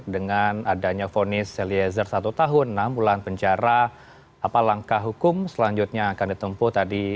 dengan adanya vonis eliezer satu tahun enam bulan penjara apa langkah hukum selanjutnya akan ditempuh tadi